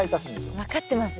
分かってますよ。